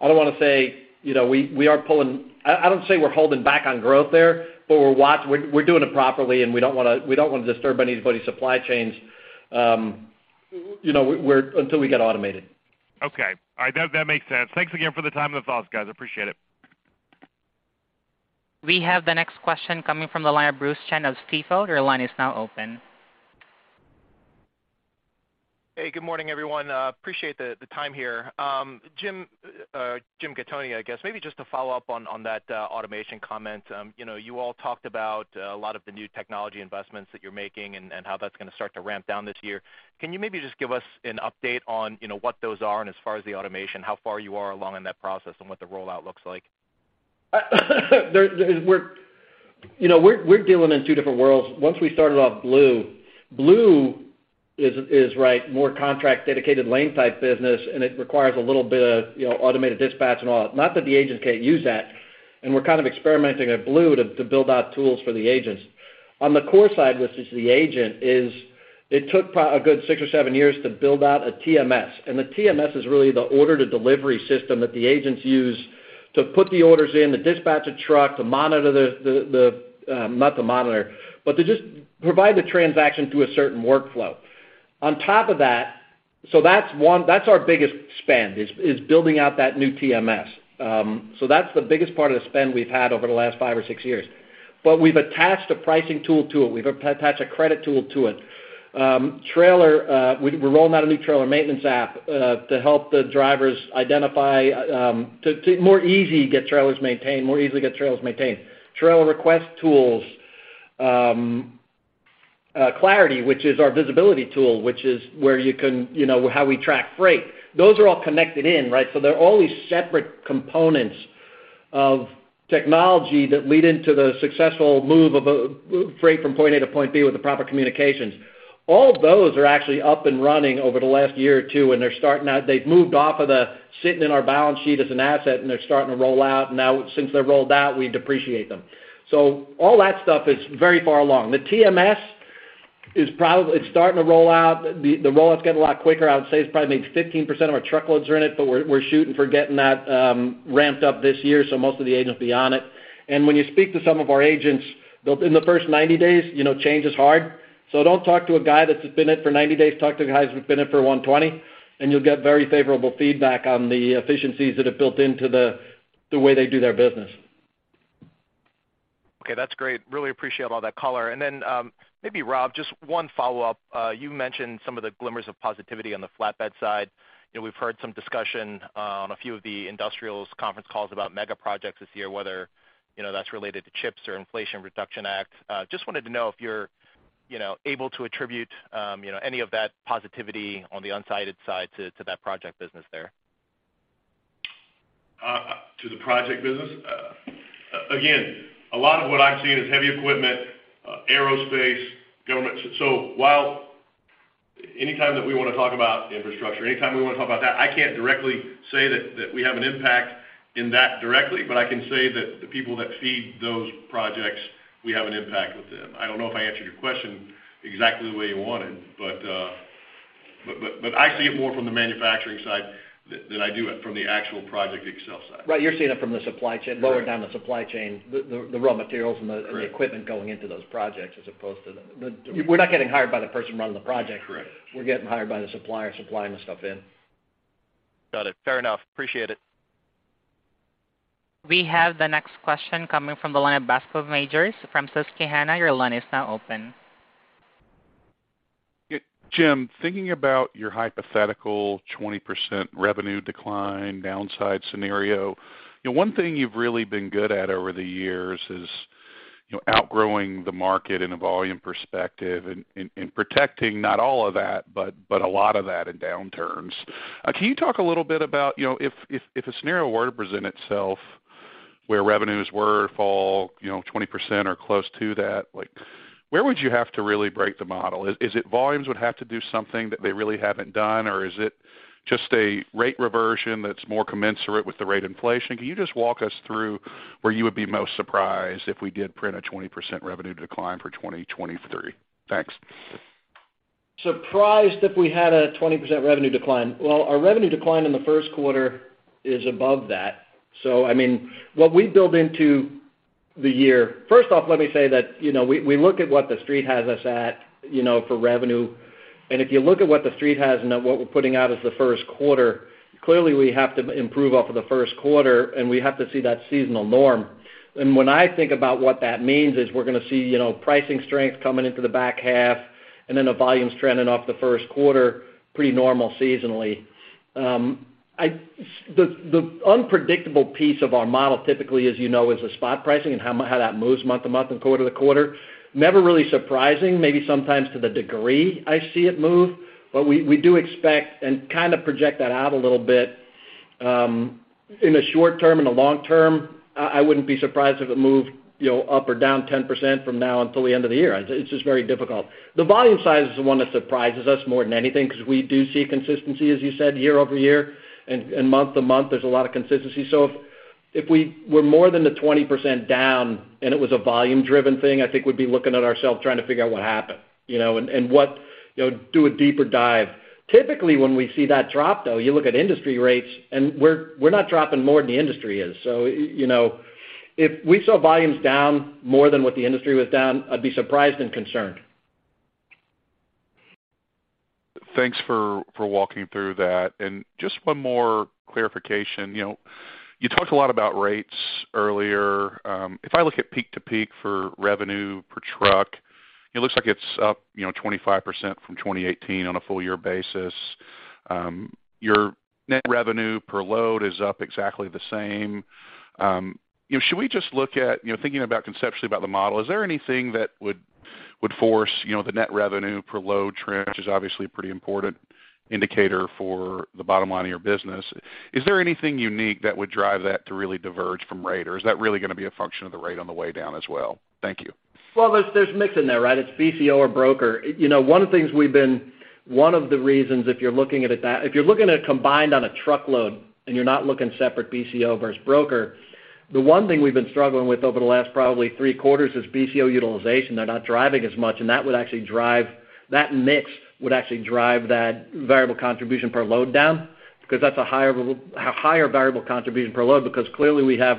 I don't wanna say, you know, we are pulling. I don't say we're holding back on growth there, but we're doing it properly and we don't wanna, we don't wanna disturb anybody's supply chains, you know, until we get automated. Okay. All right. That makes sense. Thanks again for the time and the thoughts, guys. I appreciate it. We have the next question coming from the line of Bruce Chan of Stifel. Your line is now open. Hey, good morning, everyone. Appreciate the time here. Jim Gattoni, I guess maybe just to follow up on that automation comment. You know, you all talked about a lot of the new technology investments that you're making and how that's gonna start to ramp down this year. Can you maybe just give us an update on, you know, what those are, and as far as the automation, how far you are along in that process and what the rollout looks like? There is, you know, we're dealing in two different worlds. Once we started off Blue is, right, more contract dedicated lane type business, and it requires a little bit of, you know, automated dispatch and all. Not that the agents can't use that, and we're kind of experimenting at Blue to build out tools for the agents. On the core side, which is the agent, it took a good six or seven years to build out a TMS. The TMS is really the order to delivery system that the agents use to put the orders in, to dispatch a truck, to monitor the, not the monitor, but to just provide the transaction through a certain workflow. On top of that. That's our biggest spend, is building out that new TMS. That's the biggest part of the spend we've had over the last five or six years. We've attached a pricing tool to it. We've attached a credit tool to it. Trailer, we're rolling out a new trailer maintenance app to help the drivers identify to more easily get trailers maintained. Trailer request tools, Clarity, which is our visibility tool, which is where you can, you know, how we track freight. Those are all connected in, right. They're all these separate components of technology that lead into the successful move of a freight from point A to point B with the proper communications. All of those are actually up and running over the last year or two, and they're starting out. They've moved off of the sitting in our balance sheet as an asset, and they're starting to roll out now. Since they're rolled out, we depreciate them. All that stuff is very far along. The TMS, it's starting to roll out. The rollout's getting a lot quicker. I would say it's probably maybe 15% of our truckloads are in it, but we're shooting for getting that ramped up this year, so most of the agents will be on it. When you speak to some of our agents, in the first 90 days, you know, change is hard. Don't talk to a guy that's been in it for 90 days. Talk to the guys who've been in it for 120, and you'll get very favorable feedback on the efficiencies that are built into the way they do their business. Okay, that's great. Really appreciate all that color. Maybe Rob, just one follow-up. You mentioned some of the glimmers of positivity on the flatbed side. You know, we've heard some discussion on a few of the industrials conference calls about mega projects this year, whether, you know, that's related to CHIPS or Inflation Reduction Act. Just wanted to know if you're, you know, able to attribute, you know, any of that positivity on the unsided side to that project business there. To the project business? Again, a lot of what I'm seeing is heavy equipment, aerospace, government. While Anytime that we want to talk about infrastructure, anytime we want to talk about that, I can't directly say that we have an impact in that directly, but I can say that the people that feed those projects, we have an impact with them. I don't know if I answered your question exactly the way you wanted, but I see it more from the manufacturing side than I do it from the actual project Excel side. Right. You're seeing it from the supply chain. Correct. Lower down the supply chain, the raw materials. Correct. The equipment going into those projects. We're not getting hired by the person running the project. Correct. We're getting hired by the supplier supplying the stuff in. Got it. Fair enough. Appreciate it. We have the next question coming from the line of Bascome Majors from Susquehanna. Your line is now open. Yeah. Jim, thinking about your hypothetical 20% revenue decline downside scenario, you know, one thing you've really been good at over the years is, you know, outgrowing the market in a volume perspective and protecting not all of that, but a lot of that in downturns. Can you talk a little bit about, you know, if a scenario were to present itself where revenues were to fall, you know, 20% or close to that, like, where would you have to really break the model? Is it volumes would have to do something that they really haven't done? Is it just a rate reversion that's more commensurate with the rate inflation? Can you just walk us through where you would be most surprised if we did print a 20% revenue decline for 2023? Thanks. Surprised if we had a 20% revenue decline. Well, our revenue decline in the first quarter is above that. I mean, what we build into the year. First off, let me say that, you know, we look at what The Street has us at, you know, for revenue. If you look at what The Street has and at what we're putting out as the first quarter, clearly we have to improve off of the first quarter, and we have to see that seasonal norm. When I think about what that means is we're gonna see, you know, pricing strength coming into the back half and then the volumes trending off the first quarter pretty normal seasonally. The unpredictable piece of our model typically, as you know, is the spot pricing and how that moves month to month and quarter to quarter. Never really surprising, maybe sometimes to the degree I see it move. We do expect and kind of project that out a little bit in the short term. In the long term, I wouldn't be surprised if it moved, you know, up or down 10% from now until the end of the year. It's just very difficult. The volume size is the one that surprises us more than anything because we do see consistency, as you said, year over year and month to month, there's a lot of consistency. If we were more than the 20% down and it was a volume-driven thing, I think we'd be looking at ourselves trying to figure out what happened, you know. You know, do a deeper dive. Typically, when we see that drop, though, you look at industry rates, and we're not dropping more than the industry is. You know, if we saw volumes down more than what the industry was down, I'd be surprised and concerned. Thanks for walking through that. Just one more clarification. You know, you talked a lot about rates earlier. If I look at peak-to-peak for revenue per truck, it looks like it's up, you know, 25% from 2018 on a full year basis. Your net revenue per load is up exactly the same. You know, should we just look at, you know, thinking about conceptually about the model, is there anything that would force, you know, the net revenue per load trend, which is obviously a pretty important indicator for the bottom line of your business. Is there anything unique that would drive that to really diverge from rate? Is that really gonna be a function of the rate on the way down as well? Thank you. There's mix in there, right? It's BCO or broker. You know, one of the things we've been one of the reasons, if you're looking at it that if you're looking at it combined on a truckload and you're not looking separate BCO versus broker, the one thing we've been struggling with over the last probably three quarters is BCO utilization. They're not driving as much. That would actually drive that mix would actually drive that variable contribution per load down because that's a higher variable contribution per load because clearly we have,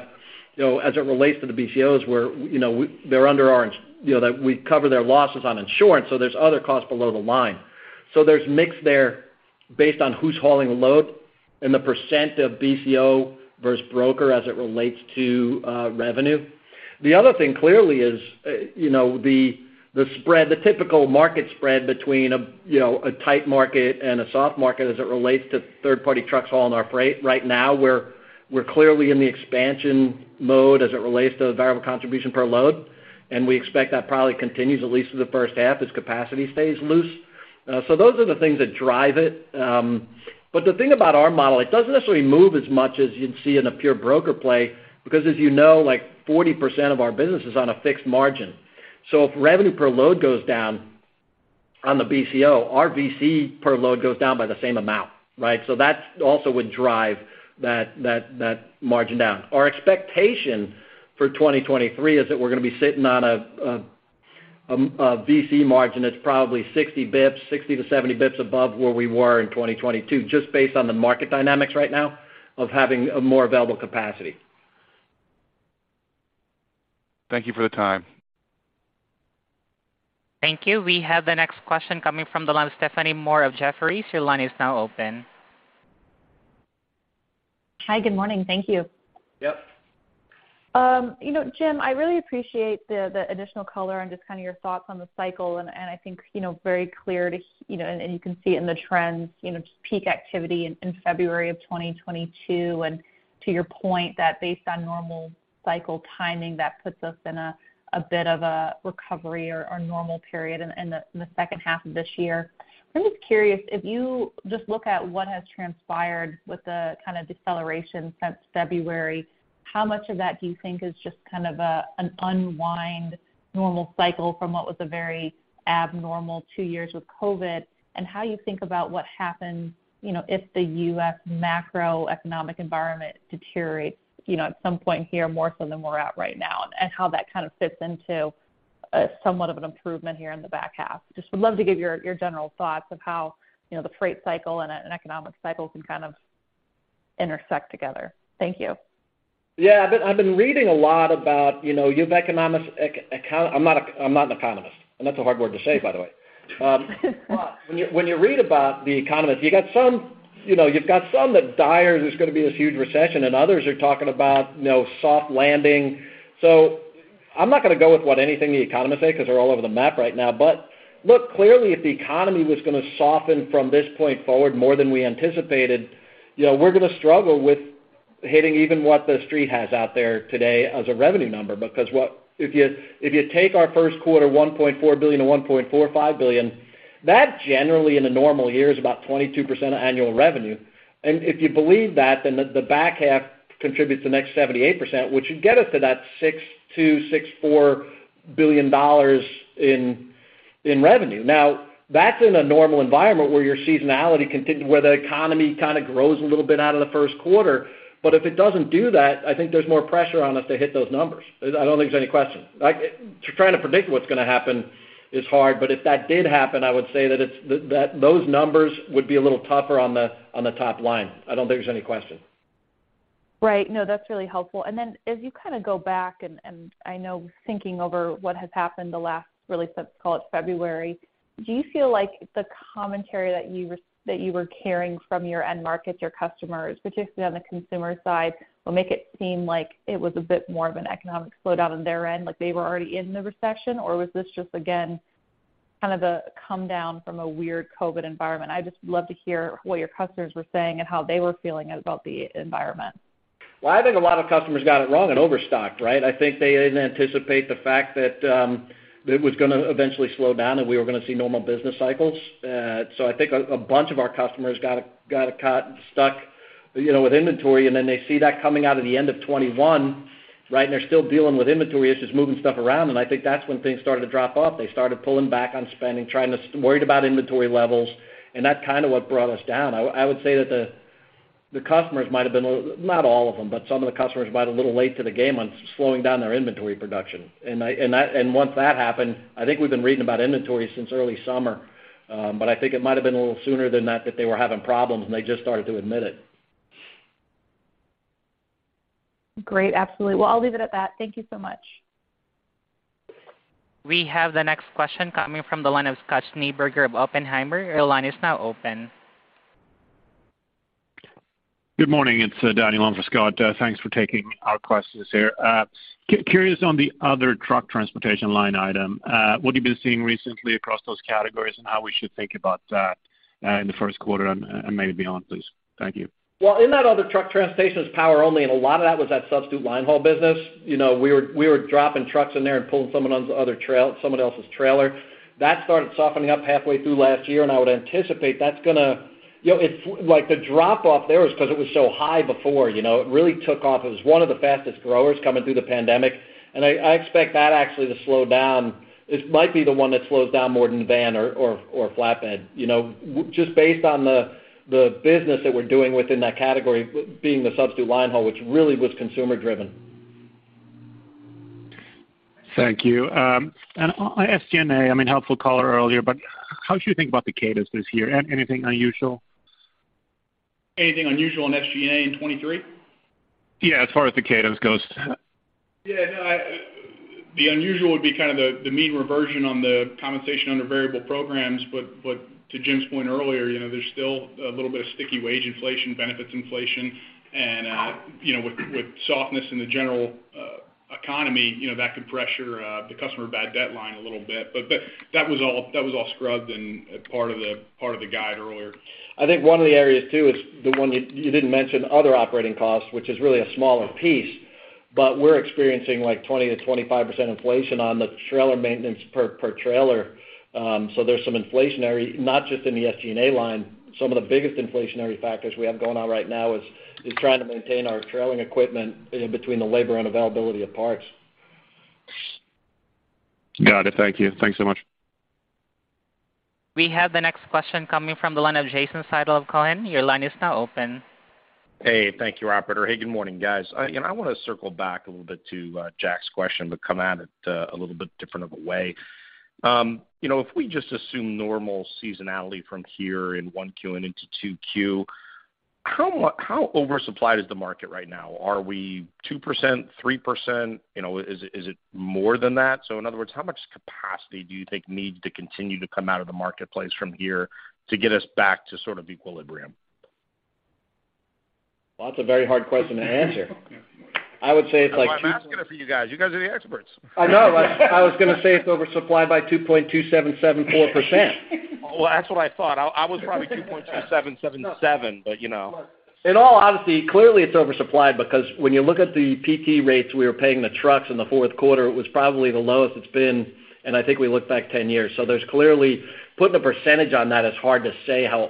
you know, as it relates to the BCOs, we're, you know, we they're under our ins you know, that we cover their losses on insurance, so there's other costs below the line. There's mix there based on who's hauling the load and the percent of BCO versus broker as it relates to revenue. The other thing clearly is, you know, the spread, the typical market spread between a, you know, tight market and a soft market as it relates to third-party trucks hauling our freight. Right now, we're clearly in the expansion mode as it relates to the variable contribution per load, and we expect that probably continues at least through the first half as capacity stays loose. Those are the things that drive it. The thing about our model, it doesn't necessarily move as much as you'd see in a pure broker play because as you know, like 40% of our business is on a fixed margin. If revenue per load goes down on the BCO, our VC per load goes down by the same amount, right? That also would drive that margin down. Our expectation for 2023 is that we're gonna be sitting on a VC margin that's probably 60 basis points, 60-70 basis points above where we were in 2022, just based on the market dynamics right now of having a more available capacity. Thank you for the time. Thank you. We have the next question coming from the line of Stephanie Moore of Jefferies. Your line is now open. Hi. Good morning. Thank you. Yep. You know, Jim, I really appreciate the additional color and just kind of your thoughts on the cycle and I think, you know, very clear to you know, and you can see it in the trends, you know, just peak activity in February of 2022. To your point that based on normal cycle timing, that puts us in a bit of a recovery or normal period in the second half of this year. I'm just curious, if you just look at what has transpired with the kind of deceleration since February, how much of that do you think is just kind of a, an unwind normal cycle from what was a very abnormal two years with COVID? How you think about what happens, you know, if the U.S. macroeconomic environment deteriorates, you know, at some point here more so than we're at right now, and how that kind of fits into somewhat of an improvement here in the back half. Just would love to give your general thoughts of how, you know, the freight cycle and an economic cycle can kind of intersect together. Thank you. Yeah. I've been reading a lot about, you know, I'm not an economist, and that's a hard word to say, by the way. When you read about the economists, you got some, you know, you've got some that dire, there's gonna be this huge recession, and others are talking about, you know, soft landing. I'm not gonna go with what anything the economists say cause they're all over the map right now. Look, clearly, if the economy was gonna soften from this point forward more than we anticipated, you know, we're gonna struggle with hitting even what the Street has out there today as a revenue number. If you take our first quarter $1.4 billion-$1.45 billion, that generally in a normal year is about 22% of annual revenue. If you believe that, the back half contributes the next 78%, which should get us to that $6.2 billion-$6.4 billion in revenue. That's in a normal environment where your seasonality where the economy kinda grows a little bit out of the first quarter. If it doesn't do that, I think there's more pressure on us to hit those numbers. I don't think there's any question. Like, to try to predict what's gonna happen is hard, if that did happen, I would say that it's that those numbers would be a little tougher on the top line. I don't think there's any question. Right. No, that's really helpful. As you kinda go back and I know thinking over what has happened the last really let's call it February, do you feel like the commentary that you were hearing from your end markets, your customers, particularly on the consumer side, will make it seem like it was a bit more of an economic slowdown on their end, like they were already in the recession? Was this just, again, kind of the come down from a weird COVID environment? I just love to hear what your customers were saying and how they were feeling about the environment. Well, I think a lot of customers got it wrong and overstocked, right? I think they didn't anticipate the fact that it was gonna eventually slow down and we were gonna see normal business cycles. I think a bunch of our customers got caught stuck, you know, with inventory, and then they see that coming out of the end of 21, right, and they're still dealing with inventory. It's just moving stuff around, and I think that's when things started to drop off. They started pulling back on spending, worried about inventory levels, and that's kinda what brought us down. I would say that the customers might have been a little. Not all of them, but some of the customers might have been a little late to the game on slowing down their inventory production. Once that happened, I think we've been reading about inventory since early summer, but I think it might have been a little sooner than that that they were having problems, and they just started to admit it. Great. Absolutely. Well, I'll leave it at that. Thank you so much. We have the next question coming from the line of Scott Schneeberger of Oppenheimer. Your line is now open. Good morning. It's Danny, along for Scott. Thanks for taking our questions here. Curious on the other truck transportation line item, what you've been seeing recently across those categories and how we should think about that in the first quarter and maybe beyond, please. Thank you. In that other truck transportation is power-only, and a lot of that was that substitute linehaul business. You know, we were dropping trucks in there and pulling someone else's other someone else's trailer. That started softening up halfway through last year, and I would anticipate that's gonna. You know, it like the drop off there was cause it was so high before, you know. It really took off. It was one of the fastest growers coming through the pandemic, and I expect that actually to slow down. It might be the one that slows down more than the van or flatbed, you know, just based on the business that we're doing within that category being the substitute linehaul, which really was consumer driven. Thank you. On SG&A, I mean, helpful color earlier, how should you think about the cadence this year? Anything unusual? Anything unusual in SG&A in 2023? Yeah, as far as the cadence goes. Yeah. No, I. The unusual would be kind of the mean reversion on the compensation under variable programs. To Jim's point earlier, you know, there's still a little bit of sticky wage inflation, benefits inflation. With softness in the general economy, you know, that could pressure the customer bad debt line a little bit. That was all scrubbed in part of the guide earlier. I think one of the areas too is the one you didn't mention, other operating costs, which is really a smaller piece, but we're experiencing like 20%-25% inflation on the trailer maintenance per trailer. There's some inflationary, not just in the SG&A line. Some of the biggest inflationary factors we have going on right now is trying to maintain our trailing equipment between the labor and availability of parts. Got it. Thank you. Thanks so much. We have the next question coming from the line of Jason Seidl of Cowen. Your line is now open. Hey, thank you, operator. Hey, good morning, guys. I, you know, I wanna circle back a little bit to Jack's question, but come at it a little bit different of a way. You know, if we just assume normal seasonality from here in Q1 and into Q2, how oversupplied is the market right now? Are we 2%, 3%? You know, is it more than that? In other words, how much capacity do you think needs to continue to come out of the marketplace from here to get us back to sort of equilibrium? That's a very hard question to answer. I would say. That's why I'm asking it for you guys. You guys are the experts. I know. I was gonna say it's oversupplied by 2.2774%. That's what I thought. I was probably 2.2777%, but, you know. In all honesty, clearly it's oversupplied because when you look at the PT rates we were paying the trucks in the fourth quarter, it was probably the lowest it's been in I think we look back 10 years. There's clearly. Putting a percentage on that is hard to say how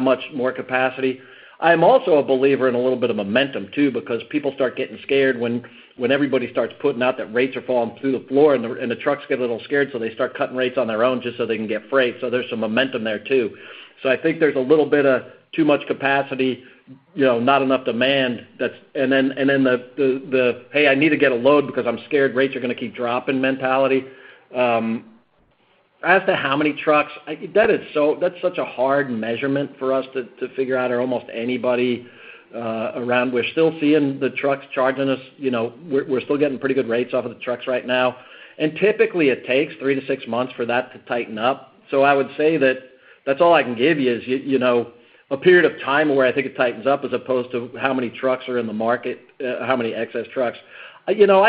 much more capacity. I'm also a believer in a little bit of momentum too because people start getting scared when everybody starts putting out that rates are falling through the floor and the trucks get a little scared, so they start cutting rates on their own just so they can get freight. There's some momentum there too. I think there's a little bit of too much capacity. You know, not enough demand that's and then the "Hey, I need to get a load because I'm scared rates are gonna keep dropping," mentality. As to how many trucks, that's such a hard measurement for us to figure out or almost anybody, around. We're still seeing the trucks charging us, you know, we're still getting pretty good rates off of the trucks right now. Typically it takes three to six months for that to tighten up. I would say that that's all I can give you is, you know, a period of time where I think it tightens up as opposed to how many trucks are in the market, how many excess trucks. You know,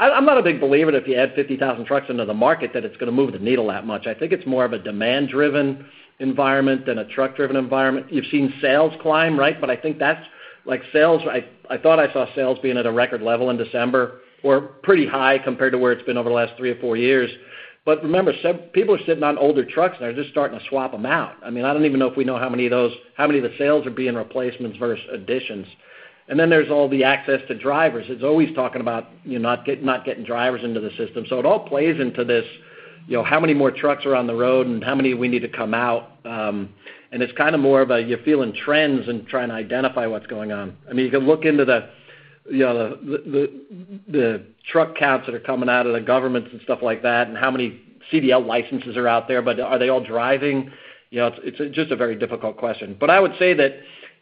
I'm not a big believer that if you add 50,000 trucks into the market, that it's gonna move the needle that much. I think it's more of a demand-driven environment than a truck-driven environment. You've seen sales climb, right? I think that's like sales, I thought I saw sales being at a record level in December or pretty high compared to where it's been over the last three or four years. Remember, some people are sitting on older trucks, and they're just starting to swap them out. I mean, I don't even know if we know how many of those, how many of the sales are being replacements versus additions. Then there's all the access to drivers. It's always talking about, you know, not getting drivers into the system. It all plays into this, you know, how many more trucks are on the road and how many we need to come out. It's kind of more of a you're feeling trends and trying to identify what's going on. I mean, you can look into the, you know, the, the truck counts that are coming out of the governments and stuff like that and how many CDL licenses are out there, but are they all driving? You know, it's just a very difficult question. I would say that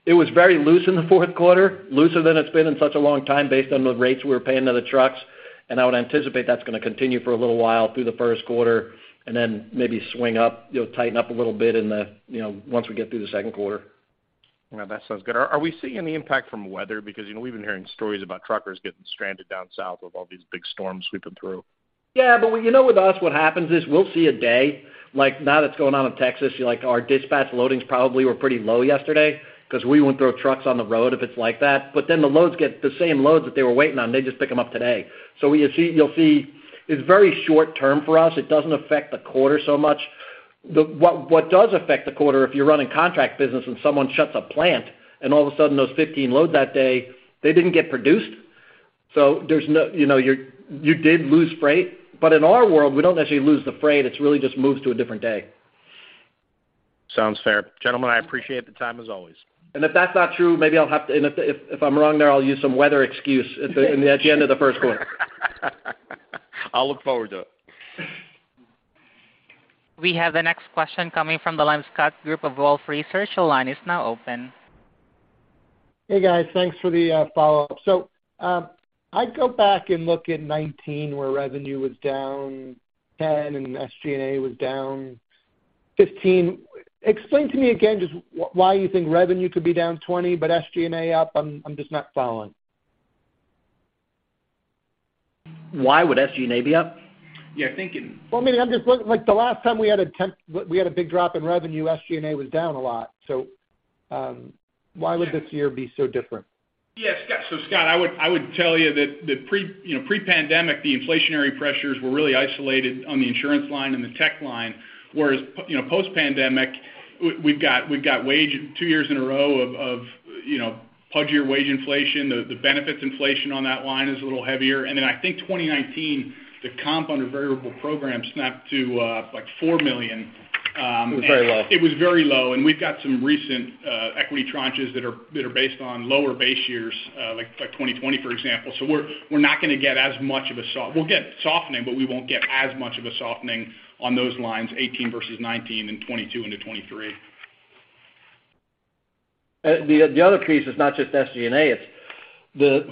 it was very loose in the fourth quarter, looser than it's been in such a long time based on the rates we were paying to the trucks, and I would anticipate that's gonna continue for a little while through the first quarter, and then maybe swing up, you'll tighten up a little bit in the, you know, once we get through the second quarter. Yeah, that sounds good. Are we seeing any impact from weather? Because, you know, we've been hearing stories about truckers getting stranded down south with all these big storms sweeping through. Yeah. you know, with us, what happens is we'll see a day, like now that's going on in Texas, like our dispatch loadings probably were pretty low yesterday 'cause we wouldn't throw trucks on the road if it's like that. The loads get the same loads that they were waiting on, they just pick them up today. You'll see it's very short-term for us. It doesn't affect the quarter so much. What does affect the quarter, if you're running contract business and someone shuts a plant and all of a sudden those 15 loads that day, they didn't get produced. There's no... You know, you did lose freight. In our world, we don't actually lose the freight, it's really just moves to a different day. Sounds fair. Gentlemen, I appreciate the time as always. If that's not true. If I'm wrong there, I'll use some weather excuse at the end of the first quarter. I'll look forward to it. We have the next question coming from the line of Scott Group of Wolfe Research. Your line is now open. Hey, guys. Thanks for the follow-up. I go back and look at 2019 where revenue was down 10% and SG&A was down 15%. Explain to me again just why you think revenue could be down 20%, but SG&A up? I'm just not following. Why would SG&A be up? You're thinking. Well, I mean, like the last time we had a big drop in revenue, SG&A was down a lot. Why would this year be so different? Yes. Scott, I would tell you that the pre, you know, pre-pandemic, the inflationary pressures were really isolated on the insurance line and the tech line. Whereas, you know, post-pandemic, we've got wage two years in a row of, you know, pudgier wage inflation. The benefits inflation on that line is a little heavier. I think 2019, the comp on a variable program snapped to like $4 million. It was very low. It was very low. We've got some recent equity tranches that are based on lower base years, like 2020, for example. We'll get softening, but we won't get as much of a softening on those lines 18 versus 19 and 22 into 23. The other piece is not just SG&A, it's the.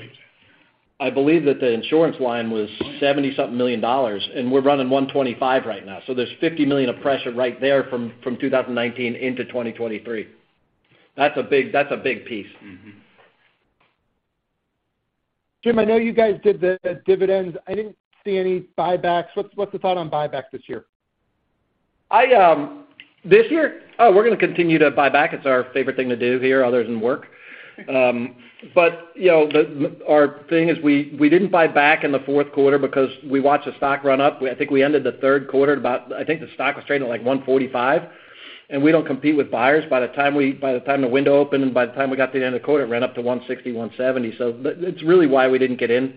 I believe that the insurance line was $70 something million, We're running $125 right now. There's $50 million of pressure right there from 2019 into 2023. That's a big piece. Mm-hmm. Jim, I know you guys did the dividends. I didn't see any buybacks. What's the thought on buyback this year? I, this year? Oh, we're going to continue to buy back. It's our favorite thing to do here other than work. You know, our thing is we didn't buy back in the fourth quarter because we watched the stock run up. I think we ended the third quarter about, I think, the stock was trading at, like $145, we don't compete with buyers. By the time by the time the window opened and by the time we got to the end of the quarter, it ran up to $160, $170. That's really why we didn't get in.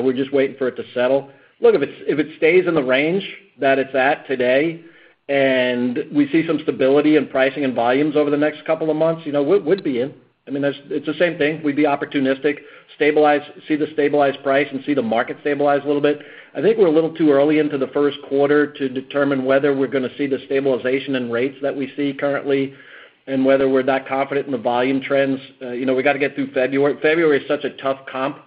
We're just waiting for it to settle. Look, if it stays in the range that it's at today and we see some stability in pricing and volumes over the next couple of months, you know, we'd be in. I mean, it's the same thing. We'd be opportunistic, see the stabilized price and see the market stabilize a little bit. I think we're a little too early into the first quarter to determine whether we're gonna see the stabilization in rates that we see currently and whether we're that confident in the volume trends. You know, we gotta get through February. February is such a tough comp.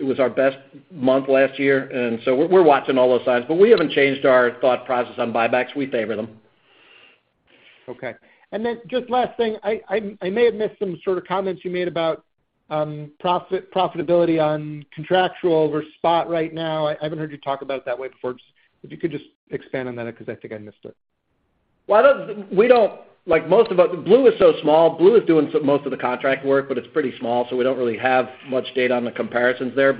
It was our best month last year, we're watching all those signs. We haven't changed our thought process on buybacks. We favor them. Okay. Just last thing. I may have missed some sort of comments you made about profitability on contractual over spot right now. I haven't heard you talk about it that way before. If you could just expand on that because I think I missed it. We don't like most of us, Blue is so small. Blue is doing some most of the contract work, but it's pretty small, so we don't really have much data on the comparisons there.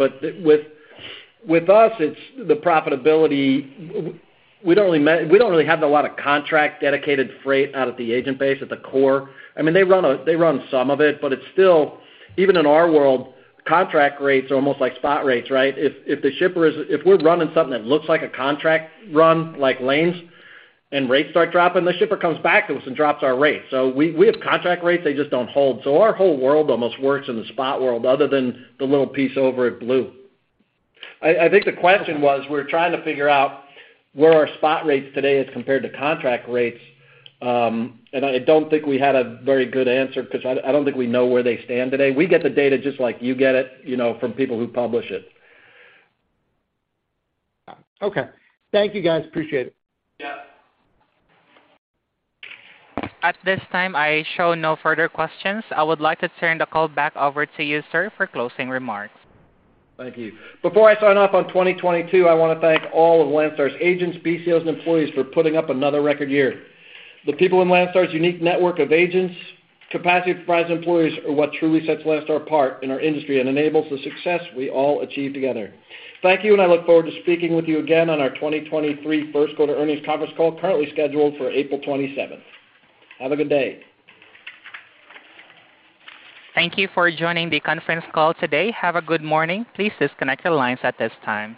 With us, it's the profitability. We don't really have a lot of contract dedicated freight out at the agent base, at the core. I mean, they run some of it, but it's still, even in our world, contract rates are almost like spot rates, right? If the shipper is... If we're running something that looks like a contract run like lanes and rates start dropping, the shipper comes back to us and drops our rate. We have contract rates, they just don't hold. Our whole world almost works in the spot world other than the little piece over at Blue. I think the question was, we're trying to figure out where our spot rates today is compared to contract rates. I don't think we had a very good answer because I don't think we know where they stand today. We get the data just like you get it, you know, from people who publish it. Okay. Thank you, guys. Appreciate it. Yeah. At this time, I show no further questions. I would like to turn the call back over to you, sir, for closing remarks. Thank you. Before I sign off on 2022, I want to thank all of Landstar's agents, BCOs, and employees for putting up another record year. The people in Landstar's unique network of agents, capacity providers, and employees are what truly sets Landstar apart in our industry and enables the success we all achieve together. Thank you, and I look forward to speaking with you again on our 2023 First Quarter Earnings Conference Call, currently scheduled for April 27th. Have a good day. Thank you for joining the conference call today. Have a good morning. Please disconnect your lines at this time.